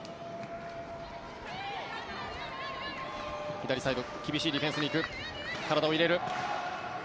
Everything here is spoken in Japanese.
左サイド厳しいディフェンスに行く体を入れる。